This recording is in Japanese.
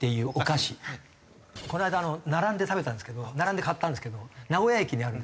この間並んで食べたんですけど並んで買ったんですけど名古屋駅にあるんですよ。